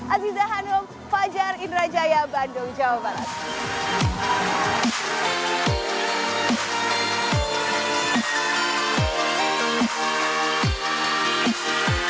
aziza hanum fajar indrajaya bandung jawa barat